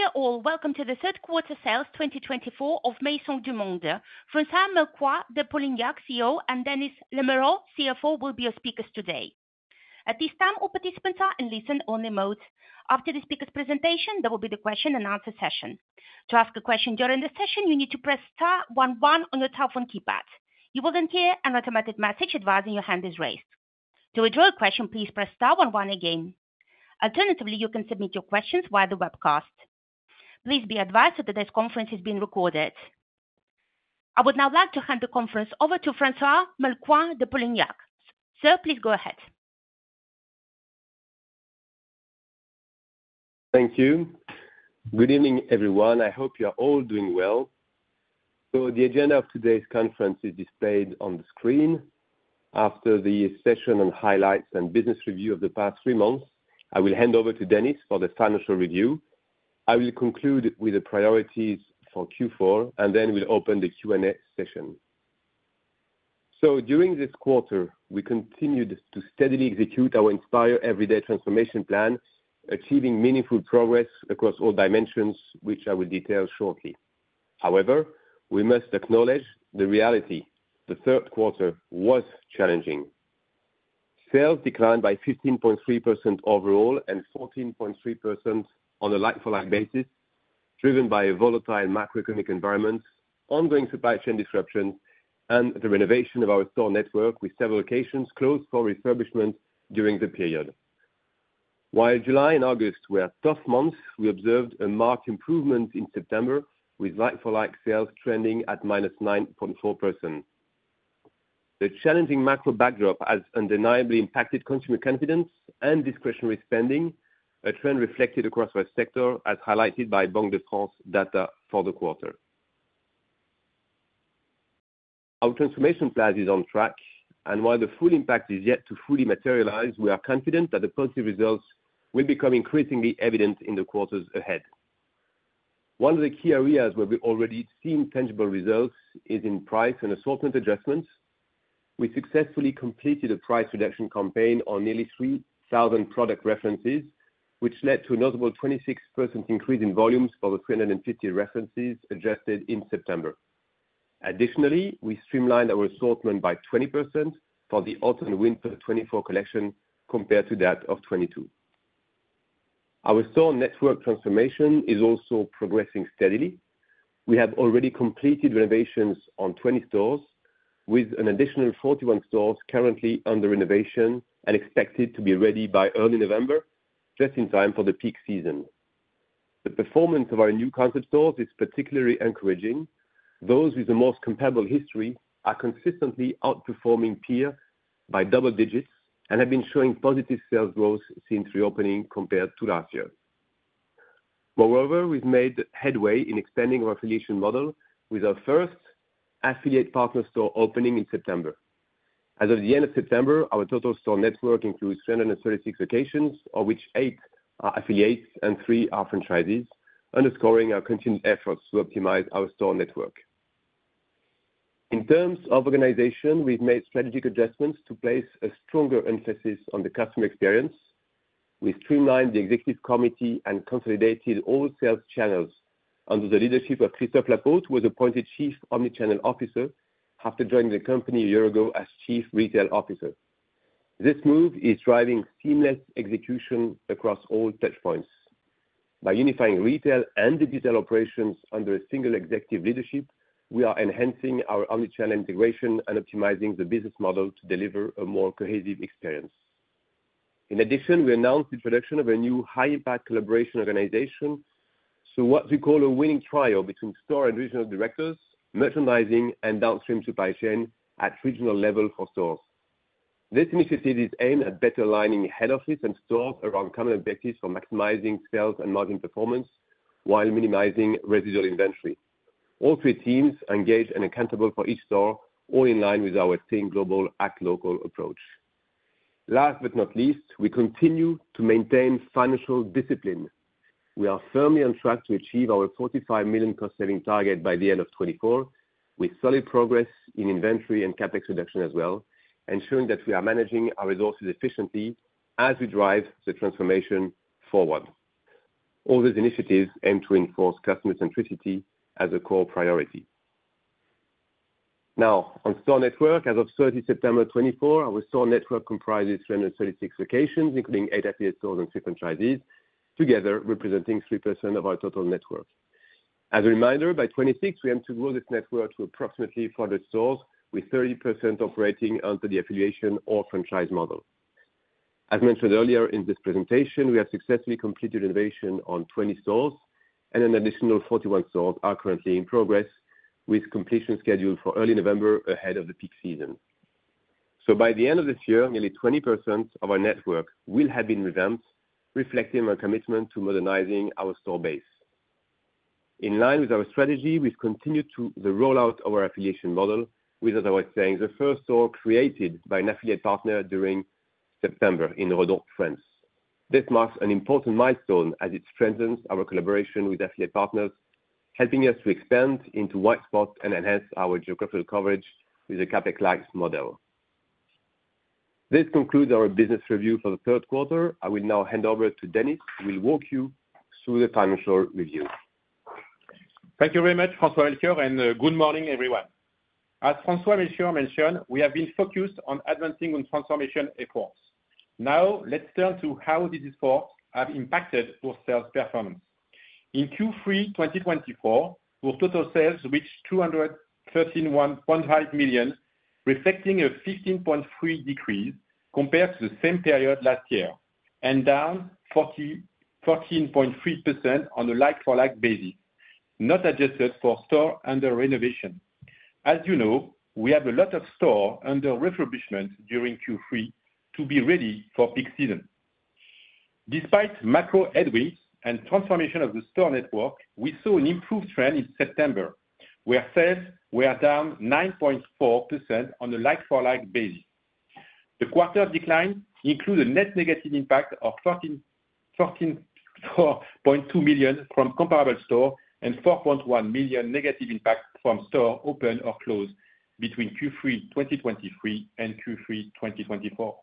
Dear all, welcome to the third quarter sales twenty twenty-four of Maisons du Monde. François-Melchior de Polignac, CEO, and Denis Lamoureux, CFO, will be your speakers today. At this time, all participants are in listen-only mode. After the speakers' presentation, there will be the question and answer session. To ask a question during the session, you need to press star one one on your telephone keypad. You will then hear an automatic message advising your hand is raised. To withdraw your question, please press star one one again. Alternatively, you can submit your questions via the webcast. Please be advised that today's conference is being recorded. I would now like to hand the conference over to François-Melchior de Polignac. Sir, please go ahead. Thank you. Good evening, everyone. I hope you are all doing well. The agenda of today's conference is displayed on the screen. After the session on highlights and business review of the past three months, I will hand over to Denis for the financial review. I will conclude with the priorities for Q4, and then we'll open the Q&A session. During this quarter, we continued to steadily execute our Inspire Everyday transformation plan, achieving meaningful progress across all dimensions, which I will detail shortly. However, we must acknowledge the reality, the third quarter was challenging. Sales declined by 15.3% overall, and 14.3% on a like-for-like basis, driven by a volatile macroeconomic environment, ongoing supply chain disruptions, and the renovation of our store network, with several locations closed for refurbishment during the period. While July and August were tough months, we observed a marked improvement in September, with like-for-like sales trending at minus 9.4%. The challenging macro backdrop has undeniably impacted consumer confidence and discretionary spending, a trend reflected across our sector, as highlighted by Banque de France data for the quarter. Our transformation plan is on track, and while the full impact is yet to fully materialize, we are confident that the positive results will become increasingly evident in the quarters ahead. One of the key areas where we've already seen tangible results is in price and assortment adjustments. We successfully completed a price reduction campaign on nearly 3,000 product references, which led to a notable 26% increase in volumes for the 350 references adjusted in September. Additionally, we streamlined our assortment by 20% for the autumn/winter 2024 collection compared to that of 2022. Our store network transformation is also progressing steadily. We have already completed renovations on 20 stores, with an additional 41 stores currently under renovation and expected to be ready by early November, just in time for the peak season. The performance of our new concept stores is particularly encouraging. Those with the most comparable history are consistently outperforming peer by double digits and have been showing positive sales growth since reopening compared to last year. Moreover, we've made headway in expanding our affiliation model with our first affiliate partner store opening in September. As of the end of September, our total store network includes 336 locations, of which eight are affiliates and three are franchisees, underscoring our continued efforts to optimize our store network. In terms of organization, we've made strategic adjustments to place a stronger emphasis on the customer experience. We've streamlined the executive committee and consolidated all sales channels under the leadership of Christophe Laporte, who was appointed Chief Omnichannel Officer after joining the company a year ago as Chief Retail Officer. This move is driving seamless execution across all touch points. By unifying retail and digital operations under a single executive leadership, we are enhancing our omnichannel integration and optimizing the business model to deliver a more cohesive experience. In addition, we announced the introduction of a new high-impact collaboration organization, so what we call a winning trial between store and regional directors, merchandising and downstream supply chain at regional level for stores. This initiative is aimed at better aligning head office and stores around common objectives for maximizing sales and margin performance, while minimizing residual inventory. All three teams are engaged and accountable for each store, all in line with our same global, act local approach. Last but not least, we continue to maintain financial discipline. We are firmly on track to achieve our 45 million cost-saving target by the end of 2024, with solid progress in inventory and CapEx reduction as well, ensuring that we are managing our resources efficiently as we drive the transformation forward. All these initiatives aim to enforce customer centricity as a core priority. Now, on store network. As of 30 September 2024, our store network comprises 336 locations, including eight affiliate stores and three franchisees, together representing 3% of our total network. As a reminder, by 2026, we aim to grow this network to approximately 400 stores with 30% operating under the affiliation or franchise model. As mentioned earlier in this presentation, we have successfully completed renovation on 20 stores, and an additional 41 stores are currently in progress, with completion scheduled for early November, ahead of the peak season. By the end of this year, nearly 20% of our network will have been revamped, reflecting our commitment to modernizing our store base. In line with our strategy, we've continued the rollout of our affiliation model, with, as I was saying, the first store created by an affiliate partner during September in Bordeaux, France. This marks an important milestone as it strengthens our collaboration with affiliate partners, helping us to expand into white spots and enhance our geographical coverage with a CapEx-light model.... This concludes our business review for the third quarter. I will now hand over to Denis, who will walk you through the financial review. Thank you very much, François-Melchior, and good morning, everyone. As François-Melchior mentioned, we have been focused on advancing on transformation efforts. Now, let's turn to how these efforts have impacted our sales performance. In Q3 2024, our total sales reached 213.5 million, reflecting a 15.3% decrease compared to the same period last year, and down 14.3% on a like-for-like basis, not adjusted for store under renovation. As you know, we have a lot of store under refurbishment during Q3 to be ready for peak season. Despite macro headwinds and transformation of the store network, we saw an improved trend in September, where sales were down 9.4% on a like-for-like basis. The quarter decline includes a net negative impact of 13-14.2 million from comparable stores and 4.1 million negative impact from stores opened or closed between Q3 2023 and Q3 2024.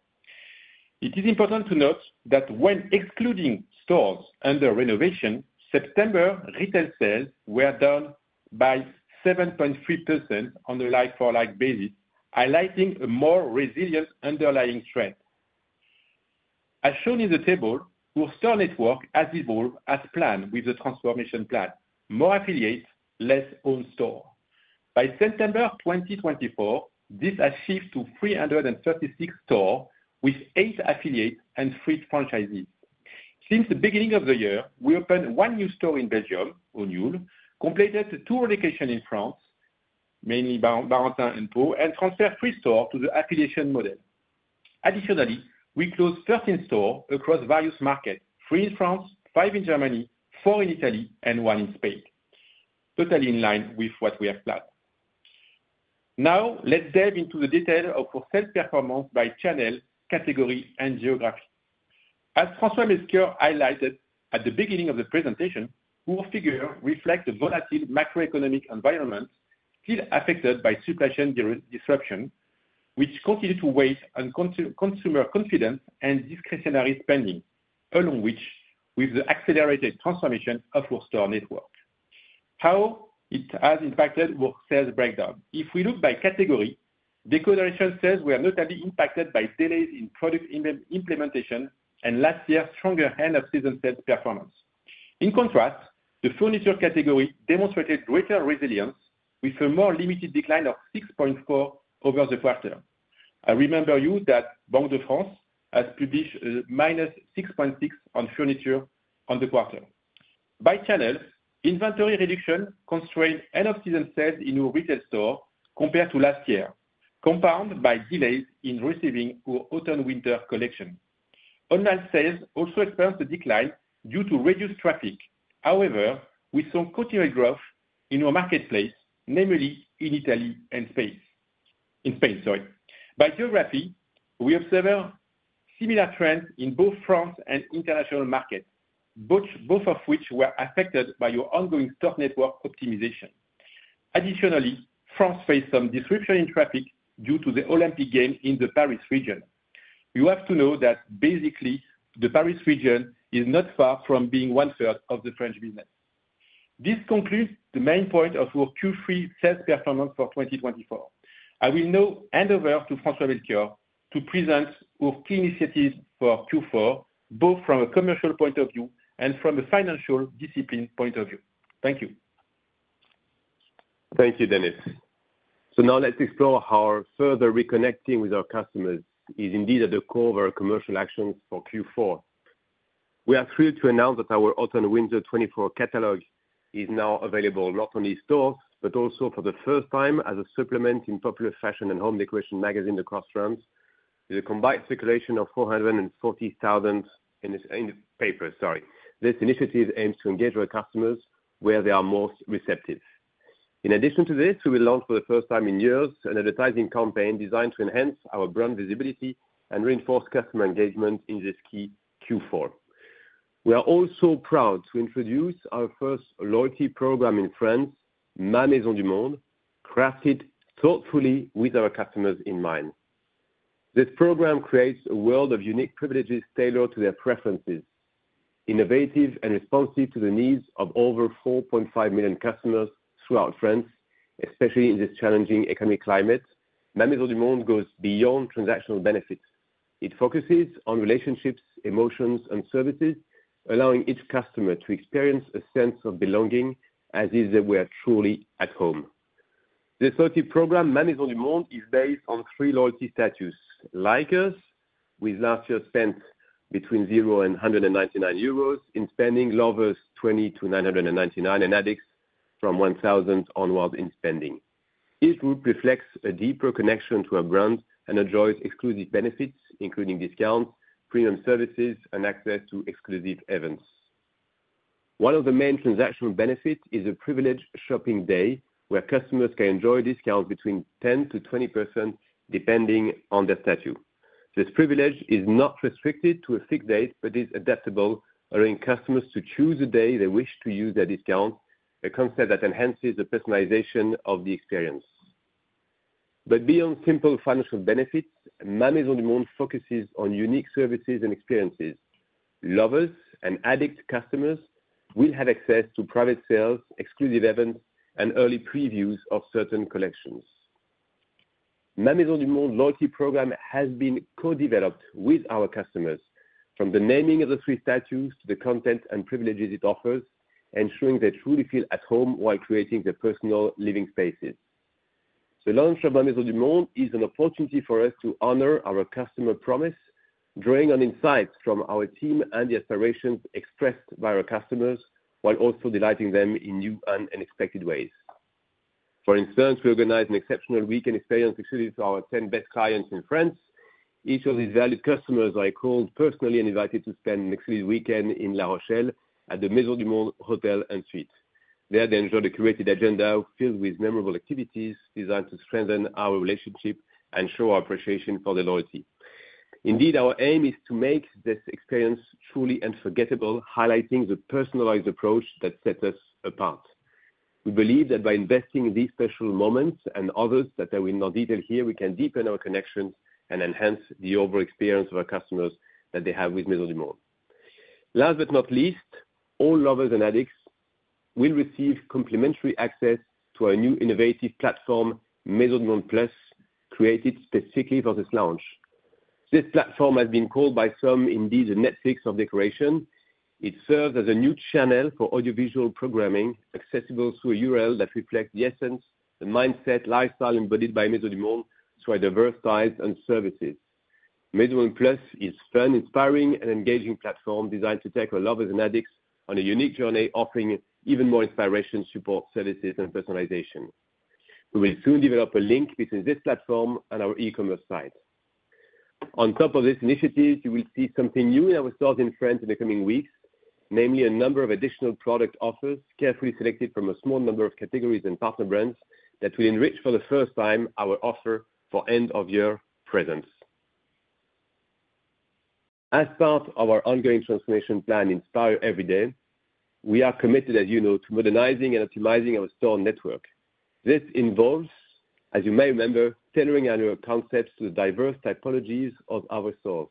It is important to note that when excluding stores under renovation, September retail sales were down by 7.3% on a like-for-like basis, highlighting a more resilient underlying trend. As shown in the table, our store network has evolved as planned with the transformation plan, more affiliates, less own stores. By September 2024, this has shifted to 336 stores with eight affiliates and three franchisees. Since the beginning of the year, we opened one new store in Belgium, in Hognoul, completed the two relocations in France, mainly Barentin and Pau, and transferred three stores to the affiliation model. Additionally, we closed thirteen stores across various markets, three in France, five in Germany, four in Italy, and one in Spain. Totally in line with what we have planned. Now, let's dive into the detail of our sales performance by channel, category, and geography. As François-Melchior highlighted at the beginning of the presentation, our figure reflects the volatile macroeconomic environment, still affected by supply chain disruption, which continued to weigh on consumer confidence and discretionary spending, along with the accelerated transformation of our store network. How has it impacted our sales breakdown? If we look by category, decoration sales were notably impacted by delays in product implementation and last year's stronger end-of-season sales performance. In contrast, the furniture category demonstrated greater resilience with a more limited decline of 6.4% over the quarter. I remind you that Banque de France has published minus 6.6 on furniture on the quarter. By channels, inventory reduction constrained end of season sales in our retail store compared to last year, compounded by delays in receiving our autumn-winter collection. Online sales also experienced a decline due to reduced traffic. However, we saw continued growth in our marketplace, namely in Italy and Spain. In Spain, sorry. By geography, we observe similar trends in both France and international markets, both of which were affected by our ongoing store network optimization. Additionally, France faced some disruption in traffic due to the Olympic Games in the Paris region. You have to know that basically, the Paris region is not far from being one-third of the French business. This concludes the main point of our Q3 sales performance for twenty twenty-four. I will now hand over to François-Melchior to present our key initiatives for Q4, both from a commercial point of view and from a financial discipline point of view. Thank you. Thank you, Denis. So now let's explore how our further reconnecting with our customers is indeed at the core of our commercial actions for Q4. We are thrilled to announce that our autumn winter twenty-four catalog is now available not only in stores, but also for the first time as a supplement in popular fashion and home decoration magazine across France, with a combined circulation of four hundred and forty thousand in the paper. This initiative aims to engage our customers where they are most receptive. In addition to this, we will launch for the first time in years, an advertising campaign designed to enhance our brand visibility and reinforce customer engagement in this key Q4. We are also proud to introduce our first loyalty program in France, Ma Maison du Monde, crafted thoughtfully with our customers in mind. This program creates a world of unique privileges tailored to their preferences, innovative and responsive to the needs of over 4.5 million customers throughout France, especially in this challenging economic climate. Ma Maison du Monde goes beyond transactional benefits. It focuses on relationships, emotions, and services, allowing each customer to experience a sense of belonging as if they were truly at home. This loyalty program, Ma Maison du Monde, is based on three loyalty statuses, Likers, with last year spent between zero and 199 euros in spending, Lovers, two hundred to nine hundred and ninety-nine, and Addicts, from 1,000 onwards in spending. Each group reflects a deeper connection to our brand and enjoys exclusive benefits, including discounts, premium services, and access to exclusive events. One of the main transactional benefits is a privileged shopping day, where customers can enjoy discounts between 10%-20%, depending on their status. This privilege is not restricted to a fixed date, but is adaptable, allowing customers to choose a day they wish to use their discount... a concept that enhances the personalization of the experience. But beyond simple financial benefits, Ma Maison du Monde focuses on unique services and experiences. Lovers and Addicts customers will have access to private sales, exclusive events, and early previews of certain collections. Ma Maison du Monde loyalty program has been co-developed with our customers, from the naming of the three statuses to the content and privileges it offers, ensuring they truly feel at home while creating their personal living spaces. The launch of Ma Maison du Monde is an opportunity for us to honor our customer promise, drawing on insights from our team and the aspirations expressed by our customers, while also delighting them in new and unexpected ways. For instance, we organized an exceptional weekend experience exclusive to our ten best clients in France. Each of these valued customers were called personally and invited to spend an exclusive weekend in La Rochelle at the Maisons du Monde Hôtel & Suites. here they enjoyed a curated agenda filled with memorable activities designed to strengthen our relationship and show our appreciation for their loyalty. Indeed, our aim is to make this experience truly unforgettable, highlighting the personalized approach that sets us apart. We believe that by investing in these special moments, and others that I will not detail here, we can deepen our connections and enhance the overall experience of our customers that they have with Maisons du Monde. Last but not least, all lovers and addicts will receive complimentary access to our new innovative platform, Maisons du Monde Plus, created specifically for this launch. This platform has been called by some, indeed, the Netflix of decoration. It serves as a new channel for audiovisual programming, accessible through a URL that reflects the essence, the mindset, lifestyle embodied by Maisons du Monde through our diverse sides and services. Maisons du Monde Plus is fun, inspiring, and engaging platform designed to take our lovers and addicts on a unique journey, offering even more inspiration, support, services, and personalization. We will soon develop a link between this platform and our e-commerce site. On top of this initiative, you will see something new in our stores in France in the coming weeks. Namely, a number of additional product offers, carefully selected from a small number of categories and partner brands, that will enrich for the first time our offer for end-of-year presence. As part of our ongoing transformation plan, Inspire Everyday, we are committed, as you know, to modernizing and optimizing our store network. This involves, as you may remember, tailoring our new concepts to the diverse typologies of our stores,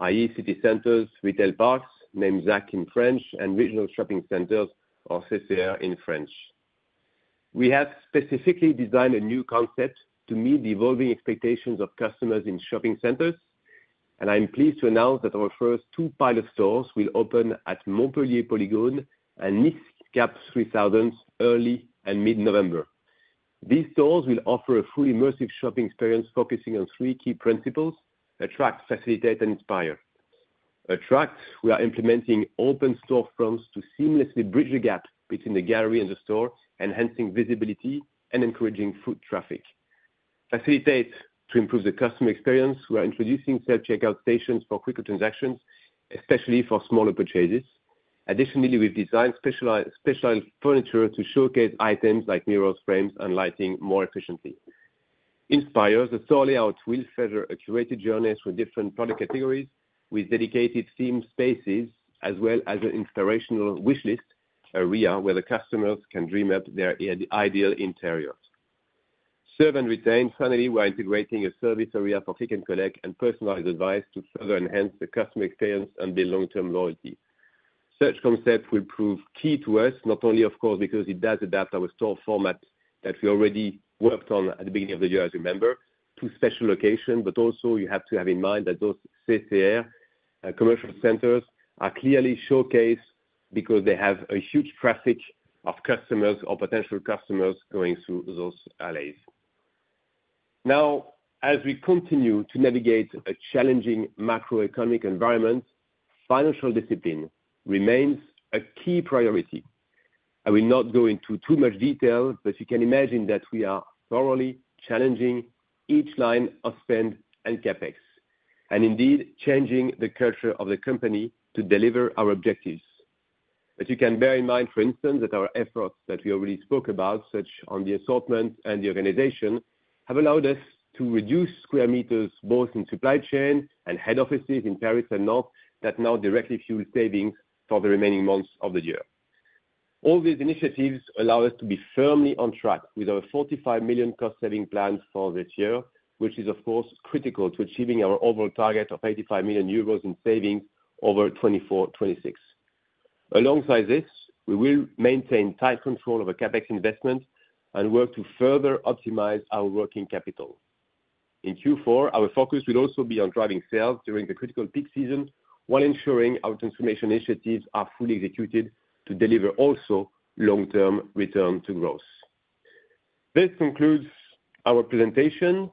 i.e., city centers, retail parks, namely ZAC in French, and regional shopping centers or CCR in French. We have specifically designed a new concept to meet the evolving expectations of customers in shopping centers, and I'm pleased to announce that our first two pilot stores will open at Polygone Montpellier and Cap3000 early and mid-November. These stores will offer a fully immersive shopping experience, focusing on three key principles: attract, facilitate, and inspire. Attract, we are implementing open store fronts to seamlessly bridge the gap between the gallery and the store, enhancing visibility and encouraging foot traffic. Facilitate, to improve the customer experience, we are introducing self-checkout stations for quicker transactions, especially for smaller purchases. Additionally, we've designed specialized furniture to showcase items like mirrors, frames, and lighting more efficiently. Inspire, the store layout will feature a curated journey through different product categories with dedicated themed spaces, as well as an inspirational wish list area, where the customers can dream up their ideal interiors. Serve and retain. Finally, we are integrating a service area for click and collect and personalized advice to further enhance the customer experience and build long-term loyalty. Such concept will prove key to us, not only of course, because it does adapt our store format that we already worked on at the beginning of the year, as you remember, to special location. But also, you have to have in mind that those CCR, commercial centers, are clearly showcased because they have a huge traffic of customers or potential customers going through those alleys. Now, as we continue to navigate a challenging macroeconomic environment, financial discipline remains a key priority. I will not go into too much detail, but you can imagine that we are thoroughly challenging each line of spend and CapEx, and indeed changing the culture of the company to deliver our objectives. You can bear in mind, for instance, that our efforts that we already spoke about, such on the assortment and the organization, have allowed us to reduce square meters, both in supply chain and head offices in Paris and North, that now directly fuel savings for the remaining months of the year. All these initiatives allow us to be firmly on track with our 45 million cost-saving plans for this year, which is, of course, critical to achieving our overall target of 85 million euros in savings over 2024-2026. Alongside this, we will maintain tight control over CapEx investment and work to further optimize our working capital. In Q4, our focus will also be on driving sales during the critical peak season, while ensuring our transformation initiatives are fully executed to deliver also long-term return to growth. This concludes our presentation.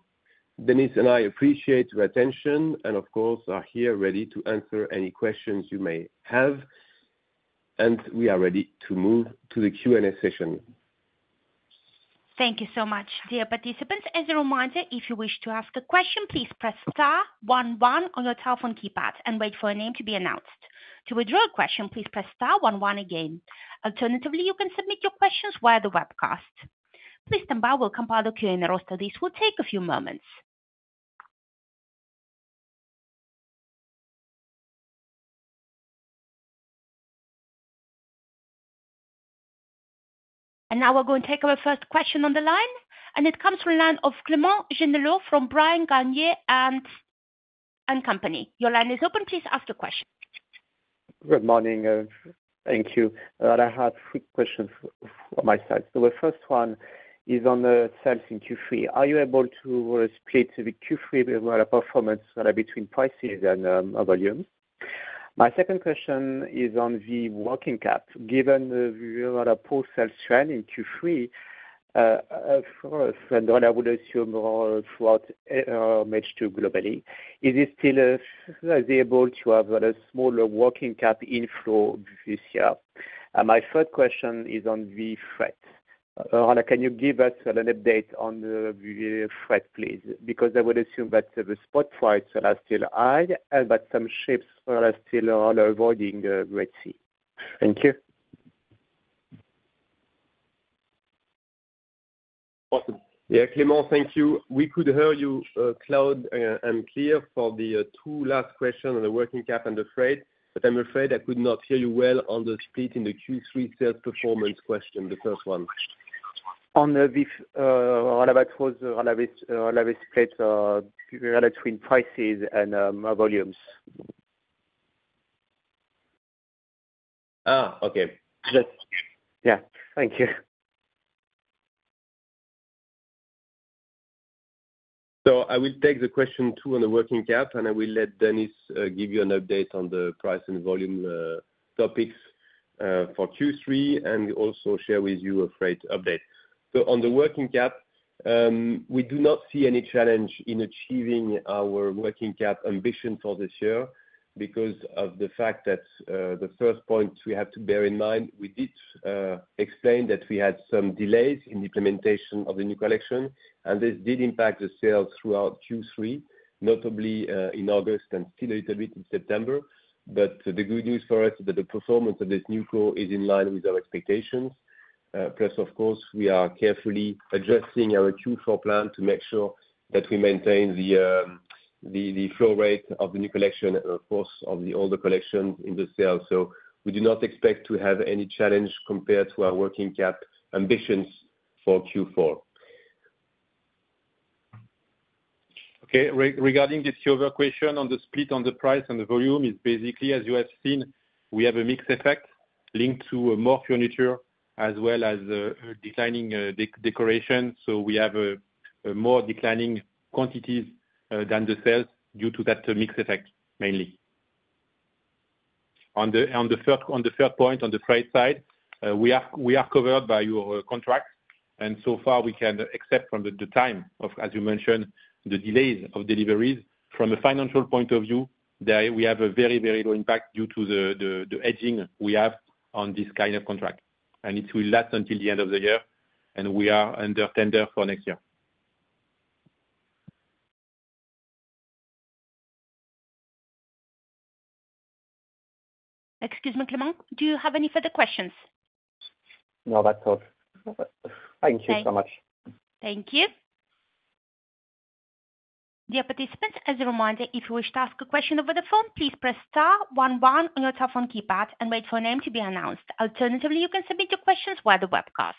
Denis and I appreciate your attention and, of course, are here ready to answer any questions you may have. We are ready to move to the Q&A session. Thank you so much. Dear participants, as a reminder, if you wish to ask a question, please press star one one on your telephone keypad and wait for your name to be announced. To withdraw a question, please press star one one again. Alternatively, you can submit your questions via the webcast. Please stand by, we'll compile the Q&A roster. This will take a few moments.... And now we're going to take our first question on the line, and it comes from the line of Clément Genelot from Bryan, Garnier & Co. Your line is open. Please ask your question. Good morning, thank you. I have three questions from my side. So the first one is on the sales in Q3. Are you able to split the Q3 performance between prices and volume? My second question is on the working cap, given the rather poor sales trend in Q3, of course, and then I would assume more throughout, matched globally. Is it still viable to have a smaller working cap inflow this year? And my third question is on the freight. Can you give us an update on the freight, please? Because I would assume that the spot freights are still high and that some ships are still avoiding Red Sea. Thank you. Awesome. Yeah, Clément, thank you. We could hear you loud and clear for the two last questions on the working cap and the freight, but I'm afraid I could not hear you well on the split in the Q3 sales performance question, the first one. On the split between prices and volumes. Ah, okay. Yeah. Thank you. I will take the question two on the working cap, and I will let Denis give you an update on the price and volume topics for Q3, and also share with you a freight update. On the working cap, we do not see any challenge in achieving our working cap ambition for this year, because of the fact that the first point we have to bear in mind, we did explain that we had some delays in the implementation of the new collection, and this did impact the sales throughout Q3, notably in August, and still a little bit in September. But the good news for us is that the performance of this new flow is in line with our expectations. Plus, of course, we are carefully adjusting our Q4 plan to make sure that we maintain the flow rate of the new collection, of course, of the older collection in the sale. So we do not expect to have any challenge compared to our working cap ambitions for Q4. Okay. Regarding this other question on the split on the price and the volume, it is basically, as you have seen, we have a mixed effect linked to more furniture as well as declining decoration, so we have a more declining quantities than the sales due to that mixed effect, mainly. On the third point, on the price side, we are covered by our contract, and so far we can, except for the time, as you mentioned, the delays of deliveries, from a financial point of view, we have a very, very low impact due to the hedging we have on this kind of contract. It will last until the end of the year, and we are under tender for next year. Excuse me, Clément, do you have any further questions? No, that's all. Thank you so much. Thank you. Dear participants, as a reminder, if you wish to ask a question over the phone, please press star one one on your telephone keypad and wait for your name to be announced. Alternatively, you can submit your questions via the webcast.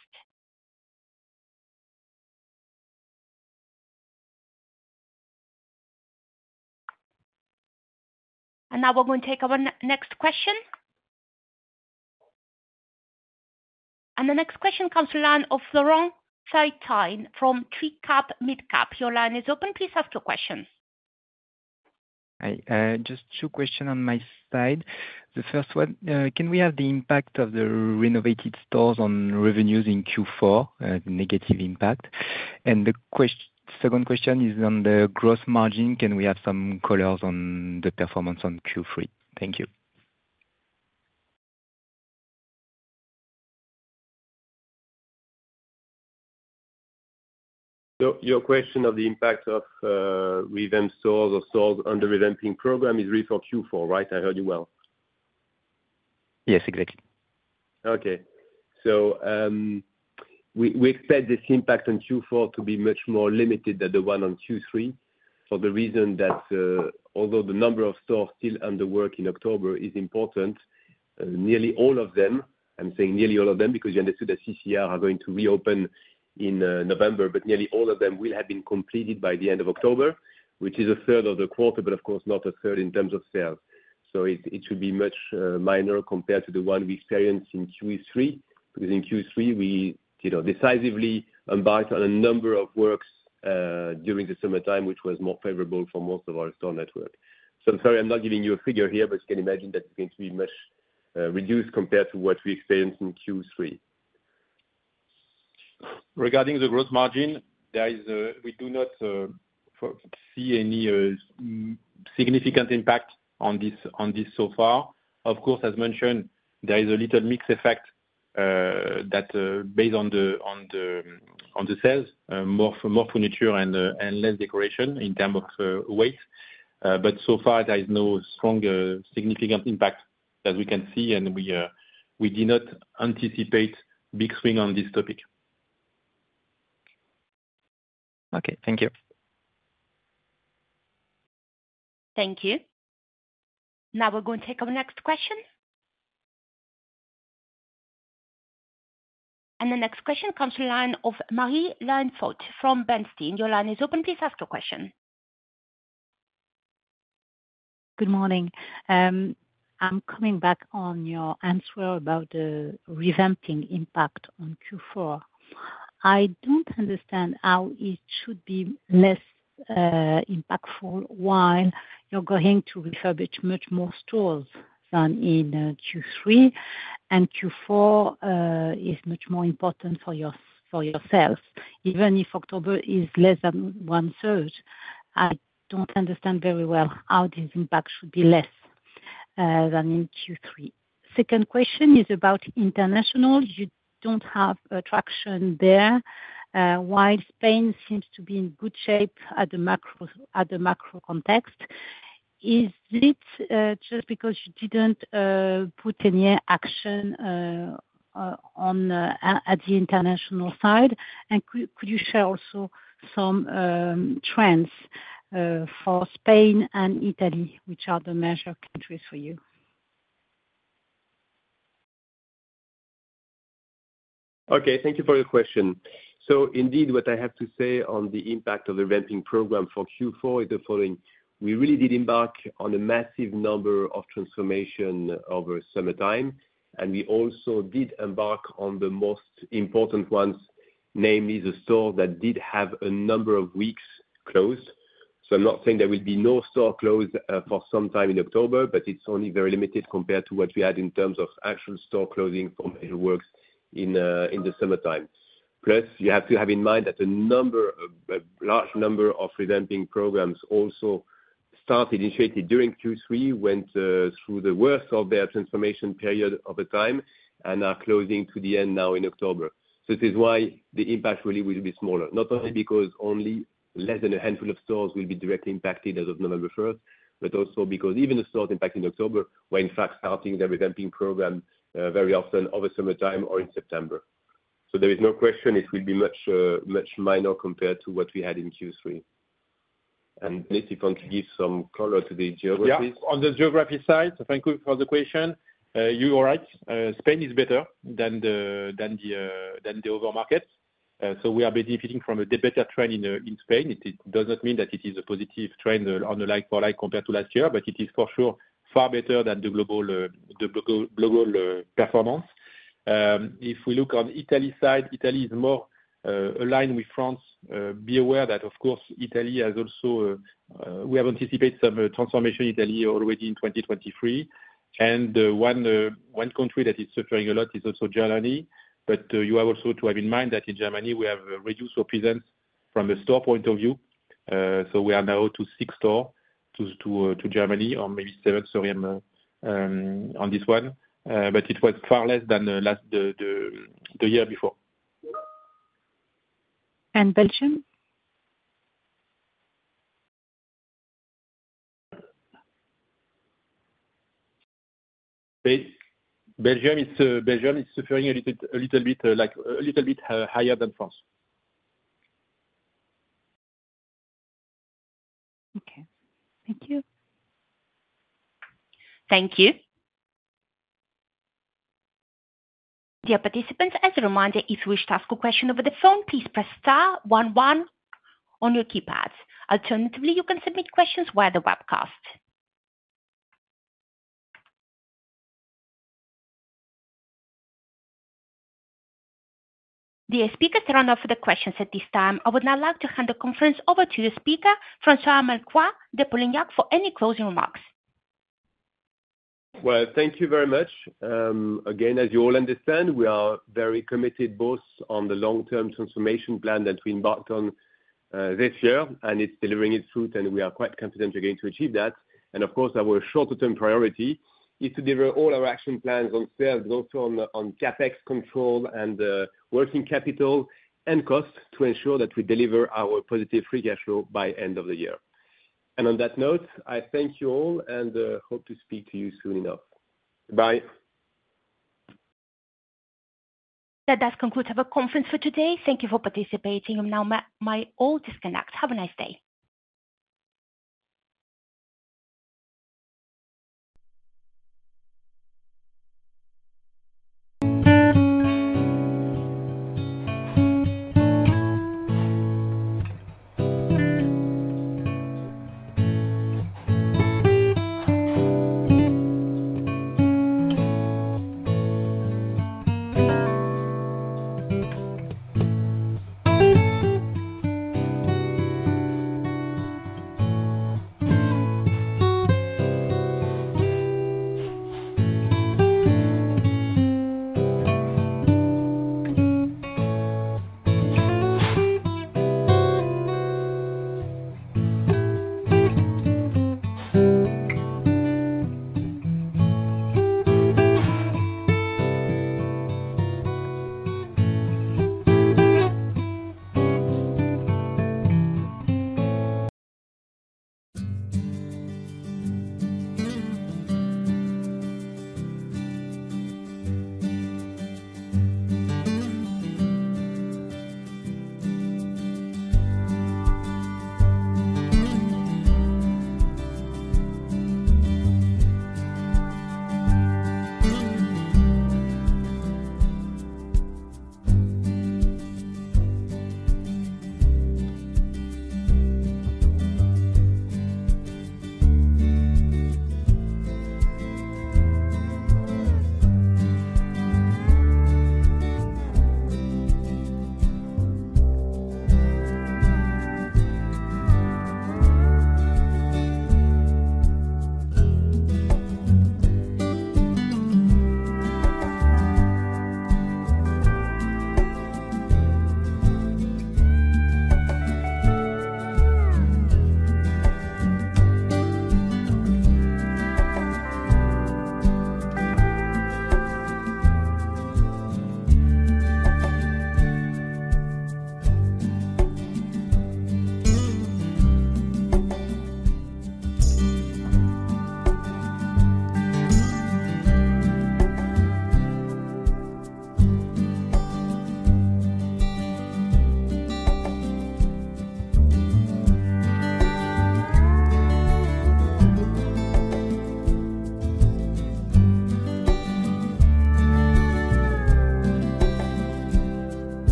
And now we're going to take our next question. And the next question comes from the line of Florent Thy-Tine from TP ICAP Midcap. Your line is open, please ask your question. Hi, just two question on my side. The first one, can we have the impact of the renovated stores on revenues in Q4, negative impact? And second question is on the gross margin, can we have some colors on the performance on Q3? Thank you. So your question of the impact of revamped stores or stores on the revamping program is really for Q4, right? I heard you well. Yes, exactly. Okay. So we expect this impact on Q4 to be much more limited than the one on Q3, for the reason that although the number of stores still under work in October is important, nearly all of them, I'm saying nearly all of them, because you understood that CCR are going to reopen in November. But nearly all of them will have been completed by the end of October, which is a third of the quarter, but of course not a third in terms of sales. So it should be much minor compared to the one we experienced in Q3. Because in Q3, we you know decisively embarked on a number of works during the summertime, which was more favorable for most of our store network. So I'm sorry, I'm not giving you a figure here, but you can imagine that it's going to be much, reduced compared to what we experienced in Q3. Okay, thank you. Thank you. Now we're going to take our next question, and the next question comes from the line of Marie-Line Fort from Bernstein. Your line is open. Please ask your question. Good morning. I'm coming back on your answer about the revamping impact on Q4. I don't understand how it should be less impactful while you're going to refurbish much more stores than in Q3, and Q4 is much more important for yourself. Even if October is less than one-third, I don't understand very well how this impact should be less than in Q3. Second question is about international. You don't have traction there while Spain seems to be in good shape at the macro context. Is it just because you didn't put any action on the international side, and could you share also some trends for Spain and Italy, which are the major countries for you? Okay, thank you for your question. So indeed, what I have to say on the impact of the revamping program for Q4 is the following: We really did embark on a massive number of transformation over summertime, and we also did embark on the most important ones, namely, the store that did have a number of weeks closed. So I'm not saying there will be no store closed for some time in October, but it's only very limited compared to what we had in terms of actual store closing from what we did in the summertime. Plus, you have to have in mind that a large number of revamping programs also started, initiated during Q3, went through the worst of their transformation period over time, and are coming to the end now in October. So this is why the impact really will be smaller. Not only because only less than a handful of stores will be directly impacted as of November first, but also because even the stores impacted in October were in fact starting their revamping program very often over summertime or in September. So there is no question, it will be much minor compared to what we had in Q3. And maybe you want to give some color to the geographies?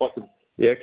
Yeah,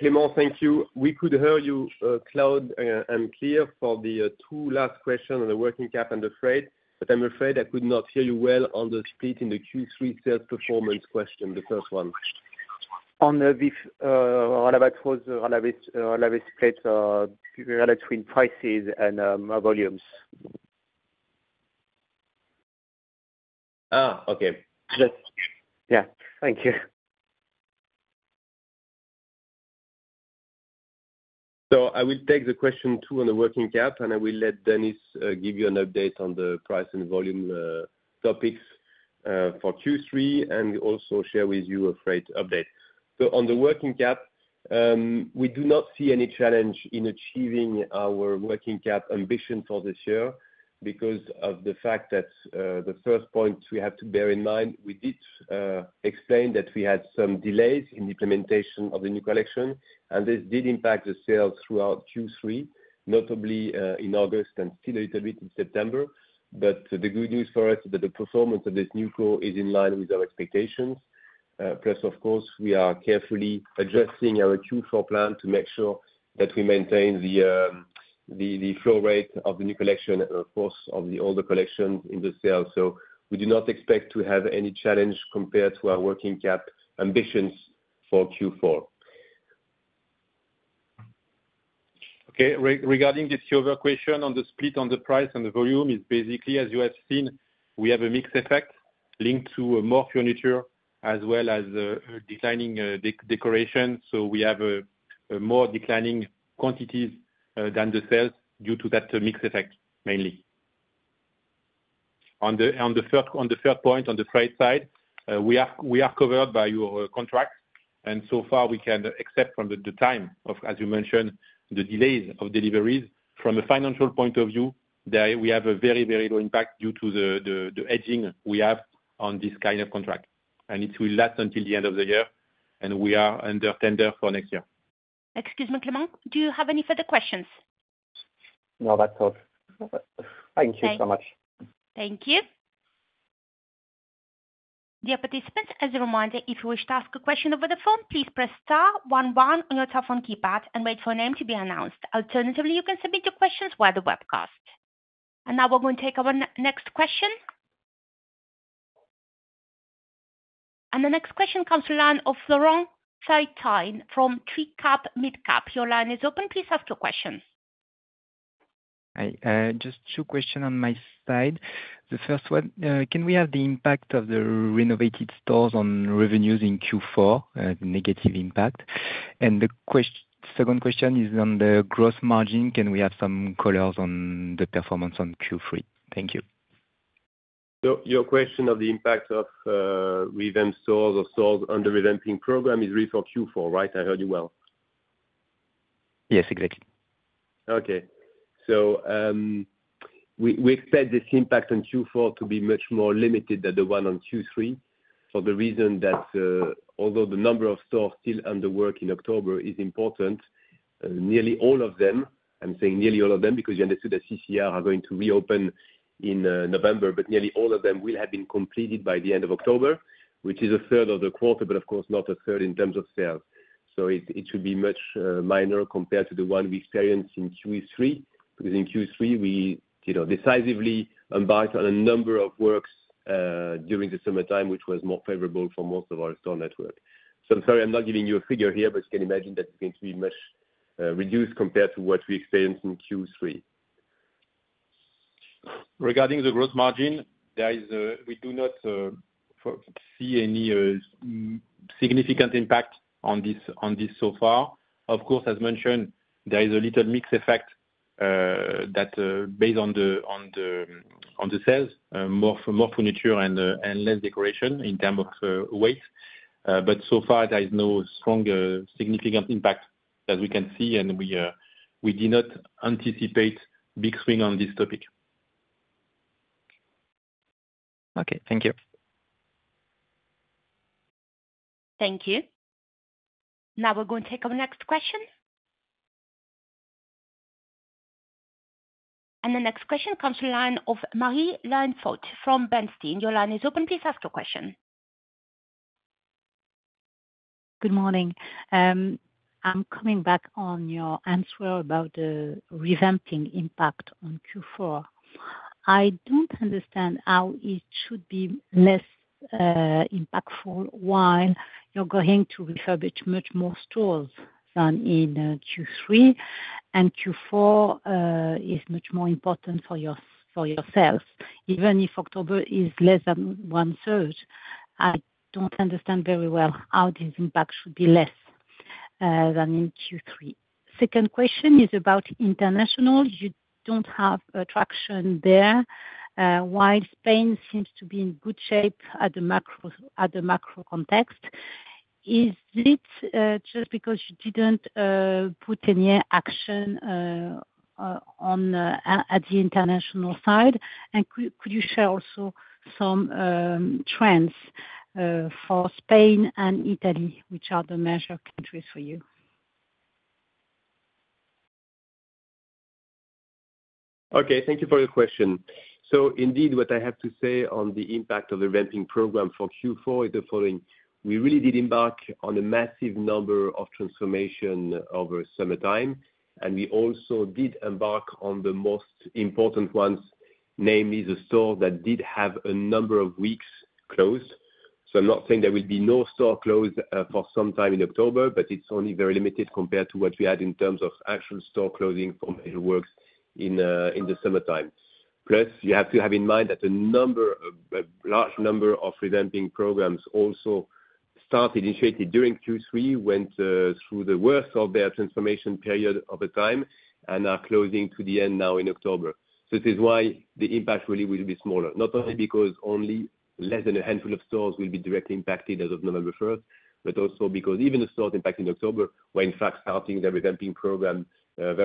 on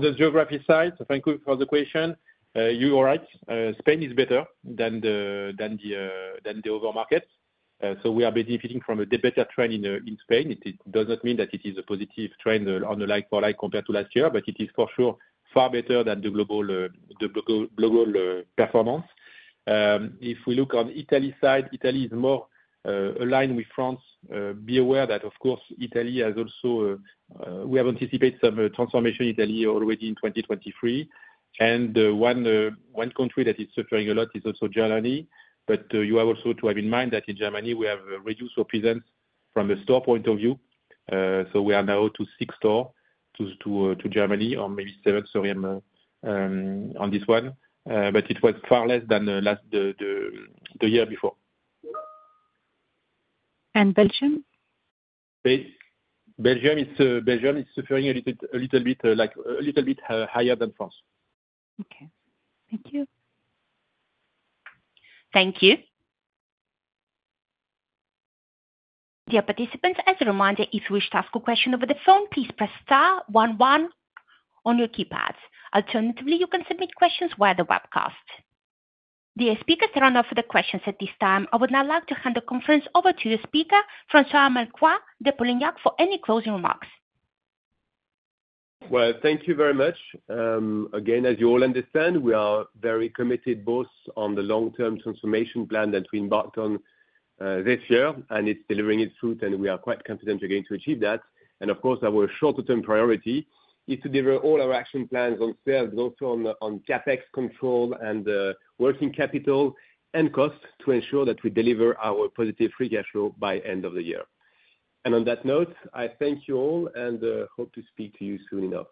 the geography side, so thank you for the question. You are right, Spain is better than the other markets. So we are benefiting from a better trend in Spain. It does not mean that it is a positive trend on the like for like, compared to last year, but it is for sure far better than the global performance. If we look on Italy side, Italy is more aligned with France. Be aware that, of course, we have anticipated some transformation in Italy already in 2023. One country that is suffering a lot is also Germany, but you have also to have in mind that in Germany we have reduced our presence from a store point of view. We are now up to six stores in Germany, or maybe seven. Sorry, I'm off on this one, but it was far less than the last year before. And Belgium? Belgium is suffering a little bit, like, a little bit higher than France. Okay. Thank you. Thank you. Dear participants, as a reminder, if you wish to ask a question over the phone, please press star one one on your keypads. Alternatively, you can submit questions via the webcast. The speakers are done for the questions at this time. I would now like to hand the conference over to the speaker, François Merlquier de Polignac, for any closing remarks. Thank you very much. Again, as you all understand, we are very committed both on the long-term transformation plan that we embarked on this year, and it's delivering its fruit, and we are quite confident we're going to achieve that. Of course, our shorter term priority is to deliver all our action plans on sales, both on CapEx control and working capital and costs to ensure that we deliver our positive free cash flow by end of the year. On that note, I thank you all, and hope to speak to you soon enough.